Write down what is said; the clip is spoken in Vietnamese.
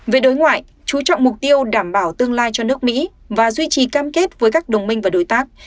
về đối ngoại chú trọng mục tiêu đảm bảo tương lai cho nước mỹ và duy trì cam kết với các đồng minh và đối tác